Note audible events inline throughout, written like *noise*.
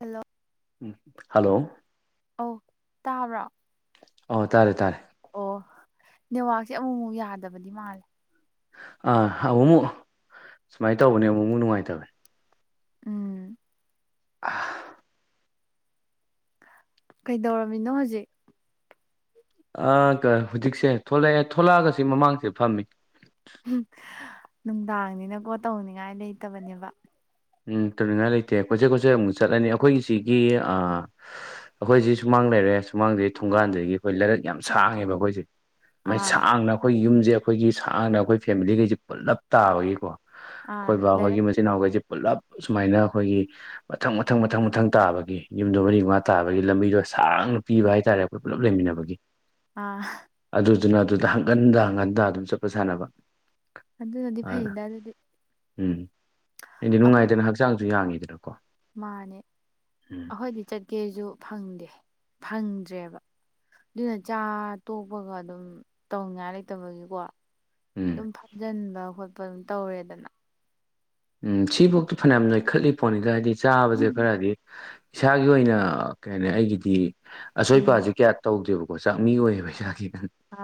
Hello hello ꯑꯧ ꯇꯥꯕ꯭ꯔꯣ ꯑꯣ ꯇꯥꯔꯦ ꯇꯥꯔꯦ ꯑꯣ ꯅꯦꯋꯥꯛꯁꯦ ꯑꯃꯨꯛ ꯑꯃꯨꯛ ꯌꯥꯗꯕꯗꯤ ꯃꯥꯜꯂꯦ ꯑꯥ ꯑꯃꯨꯛ ꯑꯃꯨꯛ ꯁꯨꯃꯥꯏꯅ ꯇꯧꯕꯅꯦ ꯑꯃꯨꯛ ꯑꯃꯨꯛ ꯅꯨꯡꯉꯥꯏꯇꯕꯅꯦ ꯎꯝ ꯑꯥ ꯀꯩꯗꯧꯔꯝꯃꯤꯅꯣ ꯍꯧꯖꯤꯛ ꯑ ꯀ ꯍꯧꯖꯤꯛꯁꯦ ꯊꯣꯛꯂꯛꯑꯦ ꯊꯣꯛꯂꯛꯑꯒꯁꯤ ꯃꯃꯥꯡꯁꯦ ꯐꯝꯃꯤ ꯅꯨꯡꯗꯥꯡꯅꯤꯅꯀꯣ ꯇꯧꯅꯤꯡꯉꯥꯏ ꯂꯩꯇꯕꯅꯦꯕ ꯎꯝ ꯇꯧꯅꯤꯡꯉꯥꯏ ꯂꯩꯇꯦ ꯀꯣꯆꯩ ꯀꯣꯠꯆꯩ ꯑꯃꯨꯛ ꯆꯠꯂꯅꯤ ꯑꯩꯈꯣꯏꯒꯤꯁꯤꯒꯤ ꯑ ꯑꯩꯈꯣꯏꯁꯤ ꯁꯨꯃꯥꯡ ꯂꯩꯔꯦ ꯁꯨꯃꯥꯡꯗꯩ ꯊꯣꯡꯒꯥꯟꯗꯒꯤ ꯑꯩꯈꯣꯏ ꯂꯩꯔꯛ ꯌꯥꯝ ꯁꯥꯡꯉꯦꯕ ꯑꯩꯈꯣꯏꯁꯦ ꯃ ꯑꯥ ꯁꯥꯡꯅ ꯑꯩꯈꯣꯏ ꯌꯨꯝꯁꯦ ꯑꯩꯈꯣꯏꯒꯤ ꯁꯥꯡꯅ ꯑꯩꯈꯣꯏ ꯐꯦꯃꯤꯂꯤꯈꯩꯁꯦ ꯄꯨꯂꯞ ꯇꯥꯕꯒꯤꯀꯣ ꯑꯥ ꯑꯩꯈꯣꯏ ꯕꯥ ꯑꯩꯈꯣꯏꯒꯤ ꯂꯩꯔꯛ ꯃꯆꯤꯟ ꯏꯅꯥꯎꯈꯩꯁꯦ ꯄꯨꯂꯞ ꯁꯨꯃꯥꯏꯅ ꯑꯩꯈꯣꯏꯒꯤ ꯃꯊꯪ ꯃꯊꯪ ꯃꯊꯪ ꯃꯊꯪ ꯇꯥꯕꯒꯤ ꯌꯨꯝꯗꯣ ꯃꯔꯤ ꯃꯉꯥ ꯇꯥꯕꯒꯤ ꯂꯝꯕꯤꯗꯣ ꯁꯥꯡꯅ ꯄꯤꯕ ꯍꯥꯏꯇꯥꯔꯦ ꯑꯩꯈꯣꯏ ꯄꯨꯜꯂꯞ ꯂꯩꯃꯤꯟꯅꯕꯒꯤ ꯑꯥ ꯑꯗꯨꯗꯨꯅ ꯑꯗꯨꯗ ꯍꯪꯒꯟꯗ ꯍꯪꯒꯟꯗ ꯑꯗꯨꯝ ꯆꯠꯄ ꯁꯥꯟꯅꯕ ꯑꯗꯨꯅꯗꯤ ꯑꯗꯨꯅ ꯐꯩꯗ ꯑꯗꯨꯗꯤ ꯎꯝ ꯑꯩꯗꯤ ꯑꯩꯈꯣꯏꯗꯤ ꯅꯨꯡꯉꯥꯏꯇꯅ ꯍꯛꯆꯥꯡꯁꯨ ꯌꯥꯡꯉꯤꯗꯅꯀꯣ ꯃꯥꯅꯦ ꯎꯝ ꯑꯩꯈꯣꯏꯗꯤ ꯆꯠꯀꯦꯁꯨ ꯐꯪꯗꯦ ꯐꯪꯗ꯭ꯔꯦꯕ ꯑꯗꯨꯅ ꯆꯥ ꯇꯣꯛꯄꯒ ꯑꯗꯨꯝ ꯇꯧꯅꯤꯡꯉꯥꯏ ꯂꯩꯇꯕꯒꯤꯀꯣ ꯎꯝ ꯑꯗꯨꯝ ꯐꯥꯝꯖꯤꯟꯕ ꯈꯣꯠꯄ ꯑꯗꯨꯝ ꯇꯧꯔꯦꯗꯅ ꯎꯝ ꯁꯤꯐꯧꯇ ꯐꯅꯌꯥꯝ ꯅꯣꯏꯈꯠꯂꯤ ꯄꯣꯠꯅꯤꯗ ꯍꯥꯏꯗꯤ ꯆꯥꯕꯁꯦ ꯈꯔꯗꯤ ꯏꯁꯥꯒꯤ ꯑꯣꯏꯅ ꯀꯩ ꯍꯥꯏꯅꯤ ꯑꯩꯒꯤꯗꯤ ꯎꯝ ꯑꯁꯣꯏꯄꯥꯁꯤ ꯀꯌꯥ ꯇꯧꯗꯦꯕꯀꯣ ꯆꯥꯛ ꯃꯤ ꯑꯣꯏꯌꯦꯕ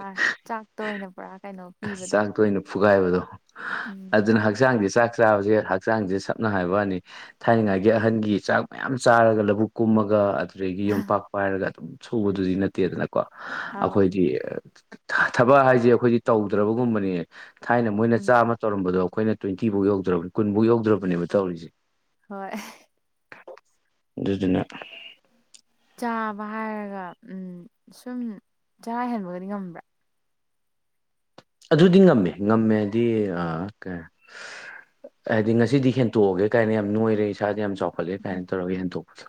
ꯑ ꯆꯥꯛꯇ ꯑꯣꯏꯅ ꯄꯨꯔꯥ ꯀꯩꯅꯣ ꯄꯤꯕꯗꯣ ꯆꯥꯛꯇ ꯑꯣꯏꯅ ꯐꯨꯒꯥꯏꯕꯗꯣ ꯎꯝ ꯑꯗꯨꯅ ꯍꯛꯆꯥꯡꯁꯦ ꯆꯥꯛ ꯆꯥꯕꯁꯦ ꯍꯛꯆꯥꯡꯁꯦ ꯁꯝꯅ ꯍꯥꯏꯕꯅꯤ ꯊꯥꯏꯅꯉꯥꯏꯒꯤ ꯑꯍꯟꯒꯤ ꯆꯥꯛ ꯃꯌꯥꯝ ꯆꯥꯔꯒ ꯂꯧꯕꯨꯛ ꯀꯨꯝꯃꯒ ꯑꯗꯨꯗꯒꯤ ꯌꯣꯝꯄꯥꯛꯄ ꯍꯥꯏꯔꯒ ꯑꯗꯨꯝ ꯁꯨꯕꯗꯨꯗꯤ ꯅꯠꯇꯦꯗꯅꯀꯣ ꯑꯧ ꯑꯩꯈꯣꯏꯗꯤ ꯊꯕꯛ ꯍꯥꯏꯁꯦ ꯑꯩꯈꯣꯏꯗꯤ ꯇꯧꯗ꯭ꯔꯕꯒꯨꯝꯕꯅꯦ ꯊꯥꯏꯅ ꯃꯣꯏꯅ ꯎꯝ ꯆꯥꯝ ꯇꯧꯔꯝꯕꯗꯣ ꯑꯩꯈꯣꯏꯅ ꯇ꯭ꯋꯦꯟꯇꯤꯐꯥꯎ ꯌꯧ ꯌꯧ꯭ꯘꯔꯕꯅꯤ ꯀꯨꯟꯐꯥꯎ ꯌꯧꯗ꯭ꯔꯕꯅꯦꯕ ꯇꯧꯔꯤꯁꯦ ꯍꯣꯏ ꯑꯗꯨꯗꯨꯅ ꯆꯥꯕ ꯍꯥꯏꯔꯒ ꯁꯨꯝ ꯆꯔꯥ ꯍꯦꯟꯕꯒꯗꯤ ꯉꯝꯕ꯭ꯔꯥ ꯑꯗꯨꯗꯤ ꯉꯝꯃꯦ ꯉꯝꯃꯦꯗꯤ ꯀꯩ ꯍꯥꯏꯗꯤ ꯉꯁꯤꯗꯤ ꯍꯦꯟꯇꯣꯛꯑꯒꯦ ꯀꯥꯏꯅ ꯌꯥꯝ ꯅꯣꯏꯔꯦ ꯏꯁꯥꯗ ꯌꯥꯝ ꯆꯥꯎꯈꯠꯂꯦ ꯀꯥꯏꯅ ꯇꯧꯔꯒ ꯍꯟ ꯇꯣꯛꯄꯗ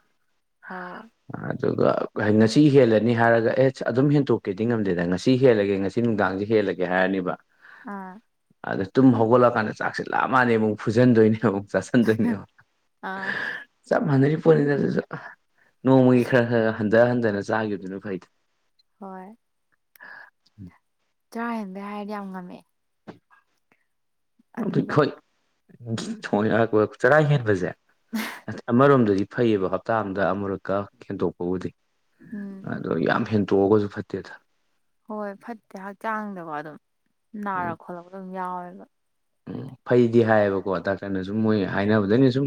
ꯑꯥꯎ ꯑꯗꯨꯒ ꯉꯁꯤ ꯍꯦꯜꯂꯅꯤ ꯍꯥꯏꯔꯒ ꯑꯦꯁ ꯑꯗꯨꯝ ꯍꯦꯟꯇꯣꯛꯀꯦꯗꯤ ꯉꯝꯗꯦꯗ ꯉꯁꯤ ꯍꯦꯜꯂꯒꯦ ꯉꯁꯤ ꯁꯤ ꯅꯨꯡꯗꯥꯡꯁꯦ ꯍꯦꯜꯂꯒꯦ ꯍꯥꯏꯔꯅꯤꯕ ꯑꯥ ꯑꯗ ꯇꯨꯝ ꯍꯧꯒꯠꯂꯀꯥꯟꯗ ꯆꯥꯛꯁꯤꯦ ꯂꯞ ꯃꯥꯟꯂꯕꯨꯛ ꯐꯖꯟꯗꯣꯏꯅꯦ ꯑꯃꯨꯛꯥꯛꯁ ꯆ ꯑꯥ ꯆꯞ ꯃꯥꯟꯅꯔꯤꯕ ꯄꯣꯠꯅꯤꯅ ꯑꯗꯨꯁꯨ ꯅꯣꯡꯃꯒꯤ ꯈꯔ ꯈꯔ ꯍꯟꯊ ꯍꯟꯊꯅ ꯆꯥꯈꯤꯕꯗꯨꯅ ꯐꯩꯗꯤ ꯍꯣꯏ ꯆꯔꯥ ꯍꯦꯟꯕꯩ ꯍꯥꯏꯔꯗꯤ ꯌꯥꯝ ꯉꯝꯃꯦ ꯑꯗꯨ ꯑꯗꯨꯒ ꯍꯣꯏ ꯊꯣꯡꯛꯄ ꯆꯔꯥ ꯍꯦꯟꯕꯁꯦ ꯑꯃꯔꯣꯝꯗꯗꯤ ꯐꯩꯌꯦꯕ ꯍꯞꯇꯥ ꯑꯃꯗ ꯑꯃꯨꯔꯛꯀ ꯈꯦꯟꯗꯣꯛꯄꯕꯨꯗꯤ ꯎꯝ ꯑꯗꯣ ꯌꯥꯝ ꯍꯦꯟꯇꯣꯛꯑꯒꯁꯨ ꯐꯠꯇꯦꯗ ꯍꯣꯏ ꯐꯠꯇꯦ ꯍꯛꯆꯥꯡꯗꯀꯣ ꯑꯗꯨꯝ ꯎꯝ ꯅꯥꯔ ꯈꯣꯠꯂꯒ ꯑꯗꯨꯝ ꯌꯥꯎꯋꯦꯕ ꯎꯝ ꯐꯩꯗꯤ ꯍꯥꯏꯌꯦꯕꯀꯣ ꯗꯥꯛꯇꯔꯅ ꯁꯨꯝ ꯃꯣꯏ ꯍꯥꯏꯅꯕꯗꯅꯤ ꯁꯨꯝ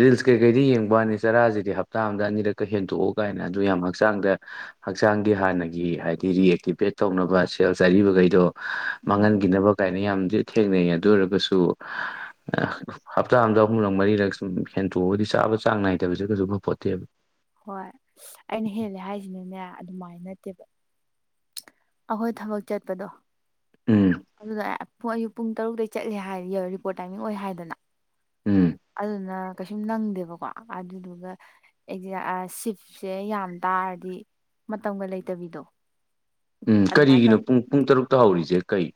ꯔꯤꯜꯁ ꯀꯩꯀꯩꯗꯤ ꯌꯦꯡꯕꯅꯤ ꯆꯔꯥꯁꯤꯗꯤ ꯍꯞꯇꯥ ꯑꯃꯝꯗ ꯑꯅꯤꯔꯛꯀ ꯍꯦꯟꯗꯣꯛꯎ ꯀꯥꯏꯅ ꯑꯗꯨ ꯌꯥꯝ ꯍꯛꯆꯥꯡꯗ ꯍꯛꯆꯥꯡꯒꯤ ꯍꯥꯟꯅꯒꯤ ꯍꯥꯏꯗꯤ ꯔꯤꯑꯛꯇꯤꯚꯦꯠ ꯇꯧꯅꯕ ꯁꯦꯜ ꯆꯠꯔꯤꯕꯈꯩꯗꯣ ꯎꯝ ꯃꯥꯡꯍꯟꯈꯤꯅꯕ ꯀꯥꯏꯅ ꯌꯥꯝꯗꯤ ꯊꯦꯡꯅꯩ ꯑꯗꯨ ꯑꯣꯏꯔꯒꯁꯨ ꯍꯞꯇꯥ ꯑꯗ ꯑꯍꯨꯝꯂꯛ ꯃꯔꯤꯔꯛ ꯁꯨꯝ ꯍꯦꯟꯇꯣꯛꯑꯒꯗꯤ ꯆꯥꯕ ꯆꯥꯡ ꯅꯥꯏꯗꯕꯁꯦ ꯀꯩꯁꯨ ꯈꯕꯄꯣꯠꯇꯦꯕ ꯍꯣꯏ ꯑꯩꯅ ꯍꯦꯜꯂꯦ ꯍꯥꯏꯁꯤꯅꯅꯦ ꯑꯗꯨꯃꯥꯏꯅ ꯅꯠꯇꯦꯕ ꯑꯩꯈꯣꯏ ꯊꯕꯛ ꯆꯠꯄꯗꯣ ꯎꯝ ꯑꯗꯨꯗ ꯑꯌꯨꯛ ꯄꯨꯡ ꯇꯔꯨꯛꯇꯇꯩꯩ ꯆꯠꯂꯦ ꯍꯥꯏ ꯔꯤꯄꯣꯔꯠ ꯇꯥꯏꯃꯤꯡ ꯑꯣꯏ ꯍꯥꯏꯗꯅ ꯎꯝ ꯑꯗꯨꯅ ꯀꯩꯁꯨꯝ ꯅꯪꯗꯦꯕꯀꯣ ꯑꯗꯨꯗꯨꯒ ꯑꯦꯖ ꯁꯤꯞꯁꯦ ꯌꯥꯝ ꯇꯥꯔꯗꯤ ꯃꯇꯝꯒ ꯂꯩꯇꯕꯤꯗꯣ ꯎꯝ ꯑꯗꯨꯃꯥꯏꯅ ꯀꯔꯤꯒꯤꯅꯣ ꯇꯧꯕꯗ ꯄꯨꯡ ꯄꯨꯡ ꯇꯔꯨꯛꯇ ꯍꯧꯔꯤꯁꯦ ꯀꯩ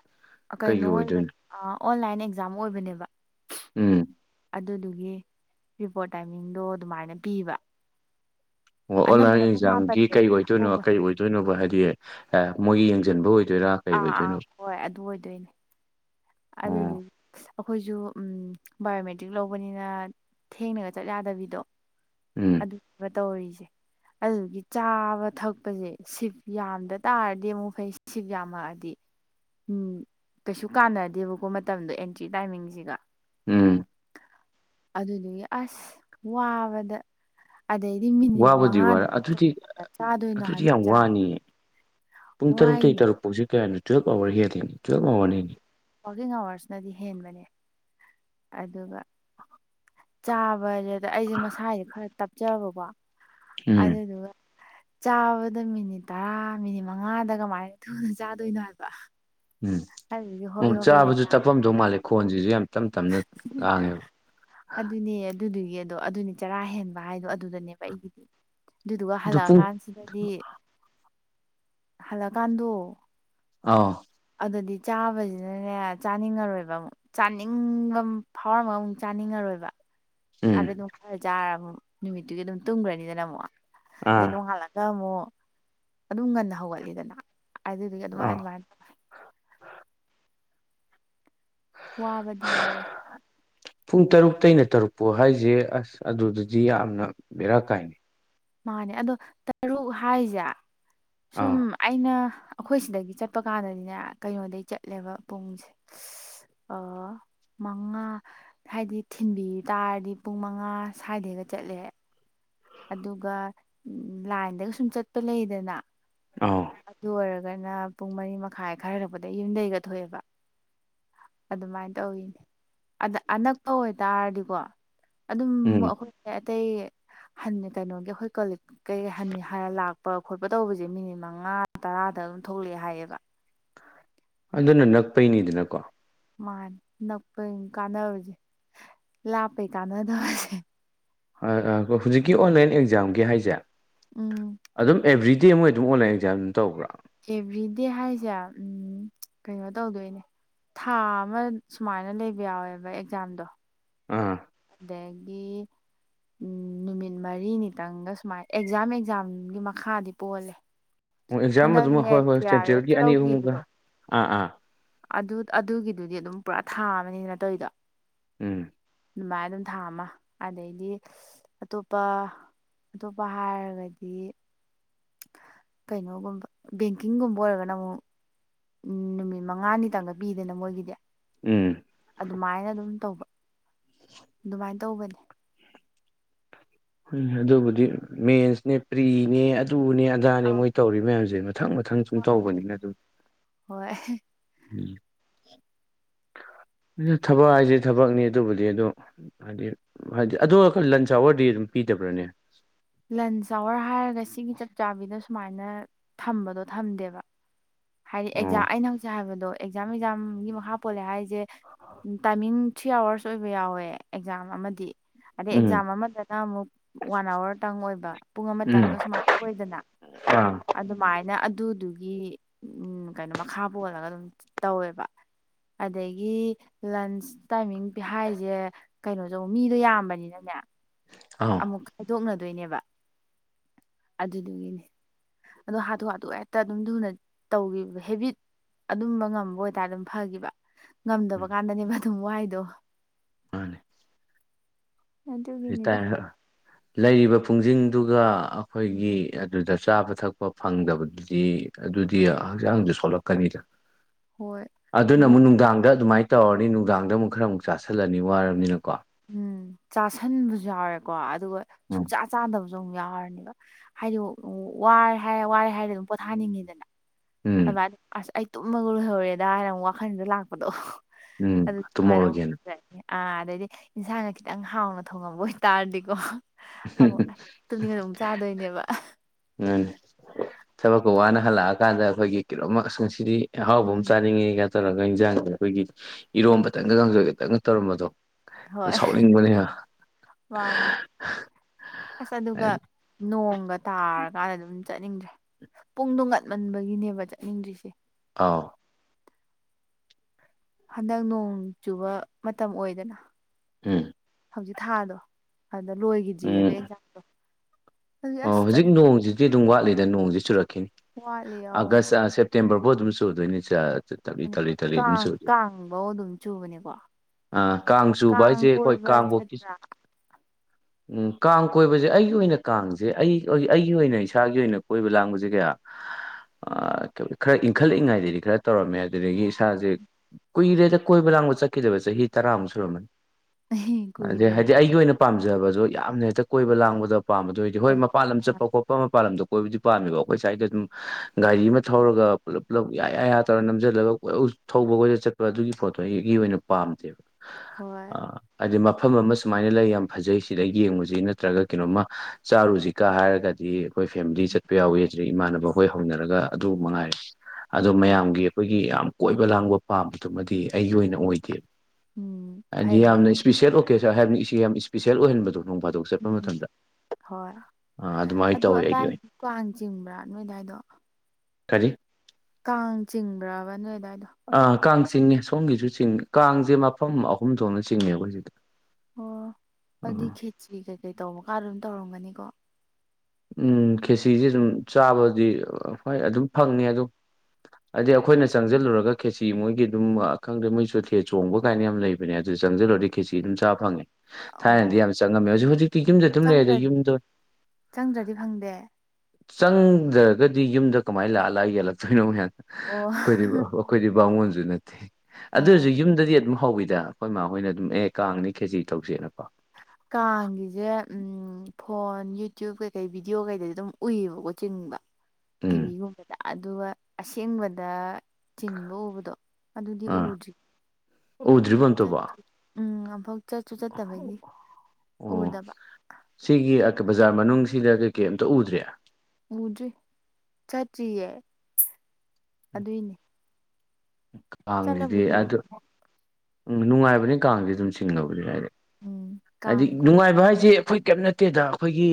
ꯀꯩꯒꯤ ꯀꯩꯅꯣ ꯑꯣꯏꯕ ꯑꯣꯏꯗꯣꯏꯅꯣ ꯑꯣꯟꯂꯥꯏꯟ ꯑꯦꯛꯖꯥꯝ ꯑꯣꯏꯕꯅꯦꯕ ꯎꯝ ꯑꯗꯨꯗꯨꯒꯤ ꯔꯤꯄꯣꯔꯠ ꯇꯥꯏꯃꯤꯡꯗꯣ ꯑꯗꯨꯃꯥꯏꯅ ꯄꯤꯕ ꯑꯣ ꯑꯣꯟꯂꯥꯏꯟ ꯑꯅꯝꯕꯅ ꯄꯨꯡ ꯑꯦꯛꯖꯥꯝꯒꯤ ꯃꯥꯄꯟꯗꯒꯤ ꯀꯩ ꯑꯣꯏꯗꯣꯏꯅꯣ ꯍꯧꯕ ꯀꯩ ꯑꯣꯏꯗꯣꯏꯅꯣꯕ ꯍꯥꯏꯗꯤ ꯑꯦ ꯃꯣꯏꯒꯤ ꯌꯦꯡꯁꯤꯟꯕ ꯑꯣꯏꯗꯣꯏ ꯔ ꯑꯥ ꯀꯩꯕ ꯊꯅ ꯑꯥ ꯑꯗꯨꯗ ꯑꯗꯨꯗꯤ ꯑꯩꯈꯣꯏꯁꯨ ꯎꯝ ꯕꯥꯏꯑꯣꯃꯦꯇ꯭ꯔꯤꯛ ꯂꯧꯕꯅꯤꯅ ꯊꯦꯡꯅꯒ ꯆꯠ ꯌꯥꯗꯕꯤꯗꯣ ꯎꯝ ꯑꯗꯨꯕ ꯇꯧꯔꯤꯁꯦ ꯑꯗꯨꯗꯨꯒꯤ ꯆꯥꯕ ꯊꯛꯄꯖꯦ ꯁꯤꯞ ꯌꯥꯝꯗ ꯇꯥꯔꯗꯤ ꯑꯃꯨꯛ ꯐꯩ ꯁꯤꯞ ꯌꯥꯝꯃꯛꯑꯗꯤ ꯎꯝ ꯀꯩꯁꯨ ꯀꯥꯟꯅꯗꯦꯕꯀꯣ ꯃꯇꯝꯗꯣ ꯑꯦꯟꯇ꯭ꯔꯤ ꯇꯥꯏꯃꯤꯡꯖꯤꯒ ꯎꯝ ꯑꯗꯨꯗꯨꯒꯤ ꯑꯁ ꯋꯥꯕꯗ ꯑꯗꯩꯗꯤ ꯃꯤꯅꯤꯠ ꯋꯥꯕꯨꯗꯤ ꯋꯥꯔꯦ ꯃꯉꯥꯗꯕꯨꯨ ꯑꯗꯨꯗꯤ ꯀꯃꯥꯏꯅ ꯆꯥꯗꯣꯏꯅꯣ ꯑꯗꯨꯗꯤ ꯍꯥꯏꯕ ꯌꯥꯝ ꯆꯥꯛ ꯋꯥꯅꯤꯌꯦ ꯄꯨꯡ ꯇꯔꯨꯛꯇꯩ ꯋꯥꯏꯅꯤ ꯇꯔꯨꯛ ꯐꯥꯎꯁꯦ ꯀꯌꯥꯅꯣ ꯇꯨꯏꯌꯦꯞ ꯑꯋꯥꯔ ꯍꯦꯔꯤꯅꯤ ꯇꯨꯋꯦꯜꯞ ꯑꯋꯥꯔꯅꯤ ꯋꯥꯀꯤꯡ ꯑꯋꯥꯔꯁꯅꯗꯤ ꯍꯦꯟꯕꯅꯦ ꯑꯗꯨꯒ ꯆꯥꯕꯖꯦ ꯑꯩꯖꯦ ꯃꯁꯥꯏꯖꯨ ꯈꯔ ꯇꯞꯆꯕꯀꯣ ꯎꯝ ꯑꯗꯨꯗꯨꯒ ꯆꯥꯕꯗ ꯃꯤꯅꯤꯠ ꯇꯔꯥ ꯃꯤꯅꯤꯠ ꯃꯉꯥꯗ ꯀꯃꯥꯏꯅ ꯊꯨꯅ ꯆꯥꯗꯣꯏꯅꯣ ꯍꯥꯏꯕ ꯎꯝ ꯑꯗꯨꯗꯨꯒꯤ ꯎꯝ ꯍꯣꯕꯦ ꯍꯣꯕꯦꯒ ꯆꯥꯕꯖꯨ ꯇꯞꯄꯝꯗꯧ ꯆꯥꯕꯗ ꯃꯥꯜꯂꯦ ꯈꯣꯟꯖꯤꯁꯨ ꯌꯥꯝ ꯇꯝ ꯇꯝꯅ ꯇꯥꯔꯦꯕ ꯑꯗꯨꯅꯦ ꯑꯗꯨꯗꯨꯒꯤ ꯑꯗꯣ ꯑꯗꯨꯅꯦ ꯆꯔꯥ ꯍꯦꯟꯕ ꯍꯥꯏꯗꯣ ꯑꯗꯨꯗꯅꯦꯕ ꯑꯩꯒꯤ ꯑꯗꯨꯗꯨꯒ ꯑꯗꯨ ꯄꯨꯡ ꯍꯜꯂꯛꯑꯀꯥꯟꯁꯤꯗꯗꯤ ꯍꯜꯂ ꯀꯥꯟꯗꯣ ꯑꯧ ꯑꯗꯨꯗꯤ ꯆꯥꯕꯖꯤꯗꯅꯦ ꯆꯥꯅꯤꯡꯉꯔꯣꯏꯕ ꯑꯃꯨꯛ ꯆꯥꯅꯤꯡꯕ ꯐꯥꯎꯔꯝꯃꯒ ꯑꯃꯨꯛ ꯆꯥꯅꯤꯡꯉꯔꯣꯏꯕ ꯎꯝ ꯑꯥꯗꯗꯨꯝ ꯈꯔ ꯆꯥꯔꯕꯨꯛ ꯅꯨꯃꯤꯠꯇꯨꯒꯤ ꯑꯗꯨꯝ ꯇꯨꯝꯒꯔꯅꯤꯗꯅ ꯑꯃꯨꯛ ꯑꯗꯩ ꯑꯥ ꯅꯣꯡꯉꯥꯜ ꯂꯛ ꯗꯃꯨꯛ ꯑꯗꯨꯝ ꯉꯟꯅ ꯍꯧꯒꯠꯂꯤꯗꯅ ꯑꯗꯨꯗꯨꯒꯤ ꯑꯗꯨꯃꯥꯏ ꯑꯥ ꯑꯗꯨꯃꯥꯏ ꯋꯥꯕꯗꯤ ꯂꯣꯔꯦ ꯄꯨꯡ ꯇꯔꯨꯛꯇꯩꯩꯅ ꯇꯔꯨꯛꯄꯨꯛ ꯍꯥꯏꯖꯩ ꯑꯁ ꯑꯗꯨꯗꯗꯤ ꯌꯥꯝꯅ ꯕꯦꯔꯥ ꯀꯥꯏ ꯃꯥꯅꯦ ꯑꯗꯣ ꯇꯔꯨꯛ ꯍꯥꯏꯖꯦ ꯁꯨꯝ ꯑꯥ ꯑꯩꯅ ꯑꯩꯈꯣꯏ ꯁꯤꯗꯒꯤ ꯆꯠꯄ ꯀꯥꯟꯗꯗꯤꯅꯦ ꯀꯩꯅꯣꯗꯩ ꯆꯠꯂꯦꯕ ꯄꯨꯡꯁꯦ ꯏꯁ ꯑ ꯃꯪꯉꯥ ꯍꯥꯏꯗꯤ ꯊꯤꯟꯕꯤ ꯇꯥꯔꯗꯤ ꯄꯨꯡ ꯃꯪꯉꯥ ꯁꯥꯏꯗꯩꯒ ꯆꯠꯂꯦ ꯑꯗꯨꯒ ꯂꯥꯏꯟꯗꯒ ꯁꯨꯝ ꯆꯠꯄ ꯂꯩꯗꯅ ꯑꯧ ꯑꯗꯨ ꯑꯣꯏꯔꯒꯅ ꯄꯨꯡ ꯃꯔꯤ ꯃꯈꯥꯏ ꯈꯔꯍꯦꯜꯂꯛꯄꯗꯩ ꯌꯨꯝꯗꯩꯒ ꯊꯣꯛꯑꯦꯕ ꯑꯗꯨꯃꯥꯏꯅ ꯇꯧꯋꯤꯅꯦ ꯑꯗ ꯑꯅꯛꯄ ꯑꯣꯏꯇꯥꯔꯗꯤꯀꯣ ꯑꯗꯨꯝ ꯎꯝ ꯑꯩꯈꯣꯏꯁꯦ ꯑꯇꯩ ꯍꯟꯅ ꯀꯩꯅꯣꯒꯤ ꯑꯩꯈꯣꯏ ꯀꫭꯂꯤꯛ ꯀꯩꯩ ꯍꯟꯅꯤ ꯍꯥꯟꯅ ꯂꯥꯛꯄ ꯈꯣꯠꯄ ꯇꯧꯕꯖꯦ ꯃꯤꯅꯤꯠ ꯃꯪꯉꯥ ꯇꯔꯥꯗ ꯑꯗꯨꯝ ꯊꯣꯛꯂꯛꯑꯦ ꯍꯥꯏꯌꯦꯕ ꯑꯗꯨꯅ ꯅꯛꯄꯩꯅꯤꯗꯅꯀꯣ ꯃꯥꯅꯤ ꯅꯛꯄꯩ ꯀꯥꯟꯅꯕꯖꯦ ꯂꯥꯞꯄꯩ ꯀꯥꯟꯅꯗꯕꯖꯦ ꯑ ꯍꯧꯖꯤꯛꯀꯤ ꯑꯣꯟꯂꯥꯏꯟ ꯑꯦꯛꯖꯥꯝꯒꯤ ꯍꯥꯏꯖꯦ ꯎꯝ ꯑꯗꯨꯝ ꯑꯦꯕ꯭ꯔꯤꯗꯦ ꯃꯣꯏ ꯑꯗꯨꯝ ꯑꯣꯟꯂꯥꯏꯟ ꯑꯦꯛꯖꯥꯝ ꯑꯗꯨꯝ ꯇꯧꯕ꯭ꯔꯥ ꯑꯦꯕꯤꯗꯔꯦ ꯍꯥꯏꯖꯦ ꯎꯝ ꯀꯩꯅꯣ ꯇꯧꯗꯣꯏꯅꯦ ꯊꯥ ꯑꯃ ꯁꯨꯃꯥꯏꯅ ꯂꯩꯕ ꯌꯥꯎꯋꯦꯕ ꯑꯦꯛꯖꯥꯝꯗꯣ ꯑꯥ ꯑꯗꯒꯤ ꯎ ꯅꯨꯃꯤꯠ ꯃꯔꯤꯅꯤꯇꯪꯒ ꯁꯨꯃꯥꯏꯅ ꯑꯦꯛꯖꯥꯝ ꯑꯦꯛꯖꯥꯝꯒꯤ ꯃꯈꯥꯗꯤ ꯄꯣꯜꯂꯦ *inaudible* ꯑꫭ ꯑꯦꯛꯖꯥꯝ ꯍꯟꯗꯛ ꯑꯗꯨꯃ ꯍꯣꯏ ꯅꯦꯠ ꯍꯣꯏ ꯖꯤ ꯑꯥꯔ ꯑꯦꯐ ꯁꯦꯟꯇ꯭ꯔꯦꯜꯒꯤ ꯑꯅꯤ ꯑꯍꯨꯝꯒ ꯇꯧꯈꯤꯕꯗꯣ ꯑꯥ ꯑꯥ ꯑꯗꯨ ꯑꯗꯨꯒꯤꯗꯨꯗꯤ ꯑꯗꯨꯝ ꯄꯨꯔꯥ ꯊꯥꯕꯅꯤꯅ ꯇꯧꯗꯣ ꯎꯝ ꯑꯗꯨꯃꯥꯏꯅ ꯑꯗꯨꯝ ꯊꯥ ꯑꯃ ꯑꯗꯩꯗꯤ ꯑꯇꯣꯞꯄ ꯑꯇꯣꯞꯄ ꯍꯥꯏꯔꯒꯗꯤ ꯀꯩꯅꯣꯒꯨꯝꯕ ꯕꯦꯡꯀꯤꯡꯒꯨꯝꯕ ꯑꯣꯏꯔꯒꯅ ꯑꯃꯨꯛ ꯎꯝ ꯅꯨꯃꯤꯠ ꯃꯉꯥꯅꯤꯇꯪꯗ ꯄꯤꯗꯅ ꯃꯣꯏꯒꯤꯗꯤ ꯎꯝ ꯑꯗꯨꯃꯥꯏꯅ ꯑꯗꯨꯝ ꯇꯧꯕ ꯑꯗꯨꯃꯥꯏꯅ ꯇꯧꯕꯅꯦ ꯎ ꯑꯗꯨꯕꯨꯗꯤ ꯃꯦꯟꯁꯅꯦ ꯄ꯭ꯔꯤꯅꯦ ꯑꯗꯨꯅꯦ ꯑꯣꯖꯥꯅꯦ ꯑꯧ ꯃꯣꯏ ꯇꯧꯔꯤ ꯃꯌꯥꯝꯖꯦ ꯃꯊꯪ ꯃꯊꯪ ꯁꯨꯝ ꯃꯥꯅꯤ ꯇꯧꯕꯅꯤꯅ ꯑꯗꯨ ꯍꯣꯏ ꯎꯝ ꯊꯕꯛ ꯍꯥꯏꯖꯦ ꯊꯕꯛꯅꯤ ꯑꯗꯨꯕꯨꯗꯤ ꯑꯗꯣ ꯍꯥꯏꯗꯤ ꯍꯥꯏꯗꯤ ꯑꯗꯣ ꯑꯈꯣꯏ ꯂꯟꯁ ꯑꯋꯥꯔꯗꯤ ꯑꯗꯨꯝ ꯄꯤꯗꯕ꯭ꯔꯅꯦ? ꯂꯟꯁ ꯑꯋꯥꯔ ꯍꯥꯏꯔꯒ ꯁꯤꯒꯤ ꯆꯞ ꯆꯥꯕꯤꯗ ꯁꯨꯃꯥꯏꯅ ꯊꯝꯕꯗꯣ ꯊꯝꯗꯦꯕ꯫ ꯍꯥꯏꯗꯤ ꯑꯣ ꯑꯦꯛꯖꯥꯝ ꯑꯩꯅ ꯍꯧꯖꯤꯛ ꯍꯥꯏꯕꯗꯣ ꯑꯦꯛꯖꯥꯝ- ꯑꯦꯛꯖꯥꯝꯒꯤ ꯃꯈꯥ ꯄꯣꯜꯂꯦ ꯍꯥꯏꯔꯤꯁꯦ ꯇꯥꯏꯃꯤꯡ ꯊ꯭ꯔꯤ ꯑꯥꯋꯔꯁ ꯑꯣꯏꯕ ꯌꯥꯎꯋꯦ ꯑꯦꯛꯖꯥꯝ ꯑꯃꯗꯤ ꯑꯗꯩ ꯎꯝ ꯑꯦꯛꯖꯥꯝ ꯑꯃꯗꯅ ꯑꯃꯨꯛ ꯋꯥꯟ ꯑꯋꯔ ꯇꯪ ꯑꯣꯏꯕ ꯄꯨꯡ ꯑꯃꯇꯪꯒ ꯎꯝ ꯁꯨꯃꯥꯏꯅ ꯑꯣꯏꯗꯅ ꯑꯥ ꯑꯗꯨꯃꯥꯏꯅ ꯑꯗꯨꯗꯨꯒꯤꯎꯝ ꯀꯩꯅꯣ ꯃꯈꯥ ꯄꯣꯜꯂꯒ ꯑꯗꯨꯝ ꯇꯧꯋꯦꯕ ꯑꯗꯒꯤ ꯂꯟꯁ ꯇꯥꯏꯃꯤꯡ ꯄꯤ ꯍꯥꯏꯖꯦ ꯀꯩꯅꯣ ꯖꯧ ꯃꯤꯗꯣ ꯌꯥꯝꯕꯅꯤꯅꯅꯦ ꯑꯥꯎ ꯑꯃꯨꯛ ꯈꯥꯏꯗꯣꯛꯅꯗꯣꯏꯅꯦꯕ ꯑꯗꯨꯗꯨꯒꯤꯅꯤ ꯑꯗꯣ ꯍꯥꯊꯨ - ꯍꯥꯊꯨ ꯍꯦꯛꯇ ꯑꯗꯨꯝ ꯊꯨꯅ ꯇꯧꯈꯤꯕ ꯍꯦꯕꯤꯠ ꯑꯗꯨꯝꯕ ꯉꯝꯕ ꯑꯣꯏꯇꯥꯔ ꯑꯗꯨꯝ ꯐꯈꯤꯕ ꯉꯝꯗꯕ ꯎꯝ ꯀꯥꯟꯗꯅꯦꯕ ꯑꯗꯨꯝ ꯋꯥꯏꯗꯣ꯫ ꯃꯥꯅꯦ ꯑꯗꯨꯒꯤꯅꯤꯗ *unintelligible* ꯂꯩꯔꯤꯕ ꯄꯨꯡꯖꯤꯡꯗꯨꯒ ꯑꯩꯈꯣꯏꯒꯤ ꯑꯗꯨꯗ ꯆꯥꯕ ꯊꯛꯄ ꯐꯪꯗꯕꯗꯨꯗꯤ ꯑꯗꯨꯗꯤ ꯍꯛꯆꯥꯡꯁꯨ ꯁꯣꯛꯂꯛꯀꯅꯤꯗ꯫ ꯍꯣꯏ ꯑꯗꯨꯅ ꯑꯗꯨ ꯑꯃꯨꯛ ꯅꯨꯡꯗꯥꯡꯗ ꯑꯗꯨꯃꯥꯏ ꯇꯧꯔꯅꯤ ꯅꯨꯡꯗꯥꯡꯗ ꯑꯃꯨꯛ ꯈꯔ ꯑꯃꯨꯛ ꯆꯥꯥꯁꯜꯂꯅꯤ ꯋꯥꯔꯝꯅꯤꯅꯀꯣ꯫ ꯎꯝ ꯆꯥꯁꯟꯕꯁꯨ ꯌꯥꯎꯔꯦꯀꯣ ꯑꯗꯨꯒ ꯎꯝ ꯁꯨꯡꯆꯥ ꯆꯥꯗꯕ ꯖꯨ ꯑꯃꯨꯛ ꯌꯥꯎꯔꯅꯦꯕ ꯍꯥꯏꯗꯤ ꯋꯥꯔꯦ ꯍꯥꯏꯔꯦ ꯋꯥꯔꯦ ꯍꯥꯏꯔꯦ ꯑꯗꯨꯝ ꯄꯣꯊꯥꯅꯤꯡꯉꯤꯗꯅ ꯎꯝ ꯑꯗꯨꯃꯥꯏ ꯑꯁ ꯑꯩ ꯇꯨꯝꯃꯒ ꯂꯣꯏꯍꯧꯔꯦꯗꯥ ꯍꯥꯏꯅ ꯑꯃꯨꯛ ꯋꯥꯈꯜꯗ ꯂꯥꯛꯄꯗꯣ ꯎꯝ ꯇꯨꯝꯍꯧꯔꯒꯦꯅ *unintelligible* ꯑꯥ ꯑꯗꯩꯗꯤ ꯏꯟꯁꯥꯡꯅ ꯈꯤꯇꯪ ꯍꯥꯎꯅ ꯊꯣꯡꯉꯝꯕ ꯑꯣꯏꯇꯥꯔꯗꯤꯀꯣ ꯑꯃꯨꯛ ꯑꯁ ꯇꯨꯝꯅꯤꯡꯉꯒ ꯑꯃꯨꯛ ꯆꯥꯗꯣꯏꯅꯦꯕ *unintelligible* *unintelligible* ꯊꯕꯛꯀ ꯋꯥꯅ ꯍꯜꯂꯛꯑꯀꯥꯟꯗ ꯑꯩꯈꯣꯏꯒꯤ ꯀꯩꯅꯣꯝꯃꯛ ꯑꯁ ꯉꯁꯤꯗꯤ ꯑꯦ ꯑꯍꯥꯎꯕ ꯑꯃ ꯆꯥꯅꯤꯡꯉꯤ ꯀꯥꯏꯅ ꯇꯧꯔꯒ ꯏꯟꯖꯥꯡꯁꯦ ꯑꯩꯈꯣꯏꯒꯤ ꯏꯔꯣꯝ ꯈꯇꯪꯒ ꯀꯥꯡꯁꯣꯏ ꯈꯥꯛꯇꯪꯒ ꯇꯧꯔꯝꯕꯗꯣ ꯍꯣꯏ ꯁꯥꯎꯅꯤꯡꯕꯅꯤ ꯍꯥ ꯃꯥꯅꯦ ꯑꯁ ꯑꯗꯨꯒ ꯅꯣꯡꯒ ꯇꯥꯔꯀꯥꯟꯗ ꯑꯗꯨꯝ ꯆꯠꯅꯤꯡꯗ꯭ꯔꯦ, ꯄꯨꯡꯗꯣ ꯉꯟꯃꯟꯕꯒꯤꯅꯦꯕ ꯆꯠꯅꯤꯡꯗ꯭ꯔꯤꯁꯦ꯫ ꯑꯥꯎ ꯍꯟꯗꯛ ꯅꯣꯡ ꯆꯨꯕ ꯃꯇꯝ ꯑꯣꯏꯗꯅ ꯎꯝ ꯍꯧꯖꯤꯛ ꯊꯥꯗꯣ ꯑꯗꯨꯗ ꯂꯣꯏꯒꯤꯗ꯭ꯔꯤꯑꯕ ꯎꯝ ꯑꯦꯛꯖꯥꯝꯗꯣ ꯑꯗꯨꯗꯤ ꯑꯣ ꯑꯁ ꯆꯠ ꯍꯧꯖꯤꯛ ꯅꯣꯡꯖꯤꯗꯤ ꯑꯗꯨꯝ ꯋꯥꯠꯂꯤꯗꯅ ꯅꯣꯡꯖꯤ ꯆꯨꯔꯛꯈꯤꯅꯤ ꯋꯥꯠꯂꯤ ꯑꯧ ꯑꯥꯒꯁ ꯑꯥ ꯁꯦꯞ ꯇꯦꯝꯄꯔꯕꯛ ꯑꯗꯨꯝ ꯆꯨꯗꯣꯏꯅꯤ ꯆꯥ ꯀꯥꯡ - ꯀꯥꯡꯕꯧ ꯑꯗꯨꯝ ꯆꯨꯕꯅꯦꯀꯣ ꯑ ꯀꯥꯡ ꯆꯨꯕ ꯍꯥꯏꯁꯦ ꯑꯩꯈꯣꯏ ꯀꯣꯏꯕ ꯀꯥꯡꯕꯣꯛꯇꯤ ꯆꯠꯇ꯭ꯔꯥ ꯎꯝ ꯀꯥꯡ ꯀꯣꯏꯕꯖꯦ ꯑꯩꯒꯤ ꯑꯣꯏꯅ ꯀꯥꯡ ꯖꯦ ꯑꯩ ꯑꯩꯒꯤ ꯑꯣꯏꯅ ꯏꯁꯥꯒꯤ ꯑꯣꯏꯅ ꯀꯣꯏꯕ ꯂꯥꯡꯕ ꯖꯦ ꯀꯌꯥ ꯑꯥ ꯈꯔ ꯏꯪꯈꯠꯂꯛꯏꯉꯥꯏꯗꯗꯤ ꯈꯔ ꯇꯧꯔꯝꯃꯦ ꯑꯗꯨꯗꯒꯤ ꯏꯁꯥꯁꯦ ꯀꯨꯏꯔꯦꯗ ꯀꯣꯏꯕ ꯂꯥꯡꯕ ꯆꯠꯈꯤꯗꯕ ꯆꯍꯤ ꯇꯔꯥꯃꯨꯛ ꯁꯨꯔꯝꯃꯅꯤ ꯑꯩꯗꯩ ꯀꯨꯏꯔꯦ ꯍꯥꯏꯗꯤ ꯑꯩꯒꯤ ꯑꯣꯏꯅ ꯄꯥꯝꯖꯕꯁꯨ ꯌꯥꯝꯅ ꯍꯦꯛꯇ ꯀꯣꯏꯕ ꯂꯥꯡꯕꯗ ꯄꯥꯝꯕ ꯍꯣꯏ ꯑꯣꯏꯗ ꯃꯄꯥꯟ ꯂꯝ ꯆꯠꯄ ꯈꯣꯠꯄ ꯃꯥꯟ ꯂꯝꯗ ꯀꯣꯏꯕꯗꯤ ꯄꯥꯝꯃꯦꯕ ꯑꯩꯈꯣꯏ ꯁꯥꯏꯗ ꯑꯗꯨꯝ ꯒꯥꯔꯤ ꯑꯃ ꯊꯧꯔꯒ ꯄꯨꯂꯞ ꯄꯨꯂꯞ ꯌꯥꯌꯥꯌꯥ ꯇꯧꯔ ꯅꯝꯖꯜꯂꯒ *unintelligible* ꯊꯧꯕ ꯀꯣꯏꯆꯠ ꯆꯠꯄ ꯑꯗꯨꯒꯤ ꯄꯣꯠꯇꯣ ꯑꯩꯒꯤ ꯑꯣꯏꯅ ꯄꯥꯝꯗꯦꯕ ꯍꯣꯏ ꯑꯥ ꯍꯥꯏꯗꯤ ꯃꯐꯝ ꯑꯃ ꯁꯨꯃꯥꯏꯅ ꯂꯩ ꯌꯥꯝ ꯐꯖꯩ ꯁꯤꯗ ꯌꯦꯡꯉꯨꯁꯤ ꯅꯠꯇ꯭ꯔꯒ ꯀꯩꯅꯣꯝꯃ ꯆꯥꯔꯨꯁꯤ ꯀꯥ ꯍꯥꯏꯔꯒꯗꯤ ꯑꯩꯈꯣꯏ ꯐꯦꯃꯤꯂꯤ ꯆꯠꯄ ꯌꯥꯎꯏ ꯏꯃꯥꯟꯅꯕ ꯍꯈꯣꯏ ꯍꯧꯅꯔꯒ ꯑꯗꯨ ꯃꯉꯥꯏꯔꯦ ꯑꯗꯣ ꯍꯣꯏ ꯃꯌꯥꯝꯒꯤ ꯑꯩꯈꯣꯏꯒꯤ ꯌꯥꯝ ꯀꯣꯏꯕ ꯂꯥꯡꯕ ꯄꯥꯝꯕꯗꯨꯃꯗꯤ ꯑꯩꯒꯤ ꯑꯣꯏꯅ ꯑꯣꯏꯗꯦ ꯎꯝ ꯍꯥꯏꯗꯤ ꯐꯩꯗ ꯌꯥꯝꯅ ꯏꯁꯄꯤꯁꯦꯜ *unintelligible* ꯍꯥꯏꯕꯅꯤ ꯏ ꯌꯥꯝ ꯏꯁꯄꯤꯁꯦꯜ ꯑꯣꯏꯍꯟꯕꯗꯣ ꯅꯣꯡ ꯐꯥꯗꯣꯛ ꯆꯠꯄ ꯎꯝ ꯃꯇꯝꯗ ꯍꯣꯏ ꯑꯥ ꯑꯗꯨꯃꯥꯏꯅ ꯑꯗꯨ ꯇꯧꯋꯦ ꯑꯩꯒꯤ ꯑꯣꯏꯅ ꯑꯗꯥꯏꯗꯤ ꯀꯥꯡ ꯆꯤꯡꯕ꯭ꯔꯥ ꯅꯣꯏ ꯑꯗꯥꯏꯗꯣ? ꯀꯔꯤ ꯀꯥꯡ ꯆꯤꯡꯕ꯭ꯔꯕ ꯅꯣꯏ ꯑꯗꯥꯏꯗꯣ? ꯑꯥ ꯀꯥꯡ ꯆꯤꯡꯉꯦ ꯁꯣꯝꯒꯤꯁꯨ ꯆꯤꯡ ꯀꯥꯡꯁꯦ ꯃꯐꯝ ꯑꯍꯨꯝ ꯊꯣꯛꯅ ꯆꯤꯡꯉꯦ ꯑꯈꯣꯏ ꯁꯤꯗ ꯫ ꯑꯣ ꯑꯗꯨꯗꯤ ꯈꯦꯠꯆꯤ ꯀꯩꯀꯩ ꯇꯧꯕꯀꯥꯟ ꯑꯗꯨꯝ ꯇꯧꯔꯝꯒꯅꯤꯀꯣ ꯎꯝ ꯈꯦꯆꯔꯤꯁꯦ ꯑꯗꯨꯝ ꯆꯥꯕꯗꯤ ꯍꯣꯏ ꯑꯗꯨꯝ ꯐꯪꯉꯦ ꯑꯗꯨ ꯑꯗꯩ ꯑꯩꯈꯣꯏꯅ ꯆꯪꯖꯜꯂꯨꯔꯒ ꯈꯦꯆꯤ ꯃꯣꯏꯒꯤ ꯑꯗꯨꯝ ꯑ ꯈꯪꯗꯔꯦ ꯃꯣꯏ ꯆꯣꯊꯦ ꯆꯣꯡꯕ ꯀꯥꯏꯅ ꯌꯥꯝ ꯂꯩꯕ ꯕꯅꯦ ꯑꯗꯨ ꯆꯪꯖꯜꯂꯨꯔꯗꯤ ꯈꯦꯆꯤ ꯑꯗꯨꯝ ꯆꯥ ꯐꯪꯉꯦ ꯑꯣ ꯊꯥꯏꯅꯗꯤ ꯌꯥꯝ ꯆꯪꯉꯝꯃꯦ ꯍꯧꯖꯤꯛ ꯍꯧꯖꯤꯛꯇꯤ ꯌꯨꯝꯗ ꯑꯗꯨꯝ ꯂꯩꯔꯦꯗ ꯆꯪꯗ꯭ꯔ ꯌꯨꯝꯗ ꯆꯪꯗ꯭ꯔꯗꯤ ꯐꯪꯗꯦ ꯆꯪꯗ꯭ꯔꯒꯗꯤ ꯌꯨꯝꯗ ꯀꯃꯥꯏ ꯂꯥꯛꯑ ꯂꯥꯛꯑ ꯌꯦꯜꯂꯛꯇꯣꯏꯅꯣꯃꯦ ꯑꯣ ꯑꯩꯈꯣꯏꯗꯤꯕ ꯑꯩꯈꯣꯏꯗꯤ ꯕꯥꯃꯣꯟꯖꯨ ꯅꯠꯇꯦ ꯑꯥ ꯑꯗꯣꯏꯖꯨ ꯌꯨꯝꯗꯗꯤ ꯑꯗꯨꯝ ꯍꯧꯋꯤꯗ ꯑꯩꯈꯣꯏ ꯃꯥꯍꯣꯏꯅ ꯑꯗꯨꯝ ꯑꯦ ꯀꯥꯡꯅꯤ ꯈꯦꯆꯤ ꯇꯧꯁꯦꯅꯀꯣ ꯀꯥꯡꯒꯤꯁꯦ ꯐꯣꯟ ꯌꯨꯇ꯭ꯌꯨꯞ ꯀꯩꯀꯩ ꯚꯤꯗꯤꯑꯣ ꯀꯩꯗꯗꯤ ꯑꯗꯨꯝ ꯎꯏꯌꯦꯕꯀꯣ ꯆꯤꯡꯕ ꯎꯝ ꯇꯤꯚꯤꯒꯨꯝꯕꯗ ꯑꯗꯨꯒ ꯑꯁꯦꯡꯕꯗ ꯆꯤꯡꯕ ꯎꯕꯗꯣ ꯑꯗꯨꯗꯤ ꯎꯗ꯭ꯔꯤ ꯎꯗꯔ꯭ꯤꯕꯣ ꯆꯠ ꯑꯝꯇꯕꯧ ꯎꯝ ꯑꯃꯐꯧ ꯆꯠꯁꯨ ꯆꯠꯇꯕꯒꯤ ꯎꯗꯕ ꯁꯤꯒꯤ ꯕꯖꯥꯔ ꯃꯅꯨꯡꯁꯤꯗ ꯀꯩ ꯀꯩ ꯑꯝꯇ ꯎꯗ꯭ꯔꯤ ꯎꯗ꯭ꯔꯤ ꯆꯠꯇ꯭ꯔꯤꯌꯦ ꯑꯗꯨꯏꯅꯦ ꯀꯥꯡꯁꯤꯗꯤ ꯆꯠꯂꯕꯨꯗꯤ ꯎ ꯑꯗꯨ ꯎꯝ ꯅꯨꯡꯉꯥꯏꯕꯅꯤ ꯀꯥꯡꯁꯤ ꯑꯗꯨꯝ ꯆꯤꯡꯅꯕꯅꯤ ꯍꯥꯏꯗꯤ ꯎꯝ ꯍꯥꯏꯗꯤ ꯀꯥꯡ ꯀꯨꯏꯗ ꯅꯨꯡꯉꯥꯏꯕ ꯍꯥꯏꯁꯦ ꯑꯩꯈꯣꯏ ꯀꯩꯌꯤꯝ ꯅꯠꯇꯦꯗ ꯑꯩꯈꯣꯏꯒꯤ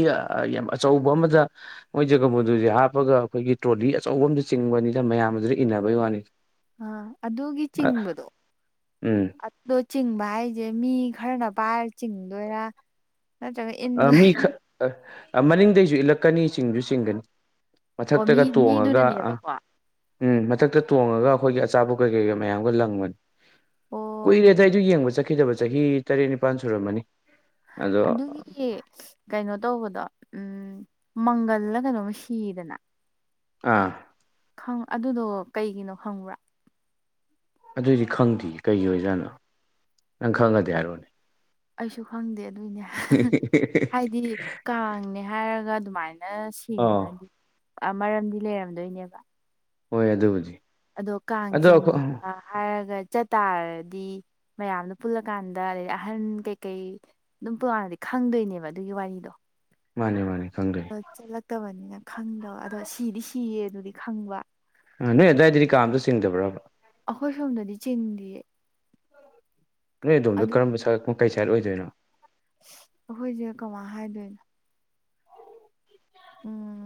ꯌꯥꯝ ꯑꯆꯧꯕ ꯑꯃꯗ ꯃꯣꯏ ꯖꯒꯕꯣꯟꯗꯨꯖꯦ ꯍꯥꯞꯄꯒ ꯑꯩꯈꯣꯏꯒꯤ ꯇ꯭ꯔꯣꯂꯤ ꯑꯆꯧꯕ ꯑꯝꯗ ꯆꯤꯡꯕꯅꯤꯅ ꯃꯌꯥꯝꯗꯨꯗ ꯏꯟꯅꯕꯩ ꯋꯥꯅꯤ ꯑ ꯑꯗꯨꯒꯤ ꯆꯤꯡꯕꯗꯣ ꯎꯝ ꯑꯗꯣ ꯆꯤꯡꯕ ꯍꯥꯏꯁꯦ ꯃꯤ ꯈꯔꯅ ꯄꯥꯏꯔ ꯆꯤꯡꯗꯣꯏꯔꯥ ꯅꯠꯇ꯭ꯔꯒ ꯏꯟꯗꯣꯏ ꯃꯤ ꯈ ꯃꯅꯤꯡꯗꯩꯁꯨ ꯏꯜꯂꯛꯀꯅꯤ ꯆꯤꯡꯁꯨ ꯆꯤꯡꯒꯅꯤ ꯑꯣ ꯃꯤ ꯃꯊꯛꯇꯒ ꯇꯣꯡꯉꯒ ꯑ ꯃꯤꯗꯨꯅꯅꯦꯕꯀꯣ ꯎꯝ ꯃꯊꯛꯇ ꯇꯣꯡꯉꯒ ꯑꯩꯈꯣꯏꯒꯤ ꯑꯆꯥꯄꯣꯠ ꯀꯩ ꯀꯩꯒ ꯃꯌꯥꯝꯒ ꯂꯪꯕꯅꯤ ꯑꯣ ꯀꯨꯏꯔꯦꯗ ꯑꯩꯗꯤ ꯌꯦꯡꯕ ꯆꯠꯈꯤꯗꯕ ꯆꯍꯤ ꯇꯔꯦꯠ ꯅꯤꯄꯥꯜ ꯁꯨꯔꯝꯃꯅꯤ ꯑꯗꯣ ꯑꯗꯨꯒꯤ ꯀꯩꯅꯣ ꯇꯧꯕꯗꯣ ꯎꯝ ꯃꯪꯒꯜꯂ ꯀꯩꯅꯣꯝꯃ ꯁꯤꯗꯅ ꯑꯥ ꯑꯗꯨꯗꯣ ꯀꯩꯒꯤꯅꯣ ꯈꯪꯕ꯭ꯔꯥ ꯑꯗꯨꯗꯤ ꯈꯪꯗꯦ ꯀꯩꯒꯤ ꯑꯣꯏꯖꯅꯣ ꯅꯪ ꯈꯪꯉꯗꯤ ꯍꯥꯏꯔꯣꯅꯦ ꯑꯩꯁꯨ ꯈꯪꯗꯦ ꯑꯗꯨꯏꯅꯦ ꯍꯥꯏꯗꯤ ꯀꯥꯡꯅꯦ ꯍꯥꯏꯔꯒ ꯑꯗꯨꯃꯥꯏꯅ ꯑꯥ ꯊꯤꯔꯤꯅꯗꯤ ꯃꯔꯝꯗꯤ ꯂꯩꯔꯝꯗꯣꯏꯅꯦꯕ ꯍꯣꯏ ꯑꯗꯨꯕꯨꯗꯤ ꯑꯗꯣ ꯑꯗꯣ ꯀꯥꯡꯆꯤꯡ ꯑꯩꯈꯣꯏ ꯑꯥ ꯍꯥꯏꯔꯒ ꯆꯠ ꯇꯥꯔꯗꯤ ꯃꯌꯥꯝꯗꯨ ꯄꯨꯜꯂꯀꯥꯟꯗ ꯑꯗꯩꯗꯤ ꯑꯍꯟ ꯀꯩꯀꯩ *unintelligible* ꯈꯪꯗꯣꯏꯅꯦꯕ ꯑꯗꯨꯒꯤ ꯋꯥꯔꯤꯗꯣ ꯃꯥꯅꯦ ꯃꯥꯅꯦ ꯈꯪꯗ꯭ꯔꯦ ꯆꯠꯂꯛꯇꯕꯅꯤꯅ ꯈꯪꯗꯕ ꯑꯗꯣ ꯁꯤꯗꯤ ꯁꯤꯌꯦ ꯑꯗꯨꯗꯤ ꯈꯪꯕ ꯑ ꯅꯣꯏ ꯑꯗꯥꯏꯗꯗꯤ ꯀꯥꯡ ꯑꯝꯇ ꯆꯤꯡꯗꯕ꯭ꯔꯕ ꯑꯩꯈꯣꯏ ꯁꯣꯝꯗꯗꯤ ꯆꯤꯡꯗꯤꯌ‌ꯦ ꯅꯣꯏ ꯑꯗꯣꯝꯗꯣ ꯀꯔꯝꯕ ꯁꯔꯛ ꯀꯩ ꯁꯥꯏꯠ ꯑꯣꯏꯗꯣꯏꯅꯣ ꯑꯩꯈꯣꯏꯁꯦ ꯀꯃꯥꯏ ꯍꯥꯏꯗꯣꯏꯅꯣ ꯎꯝ